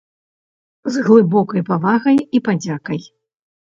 З глыбокай павагай і падзякай.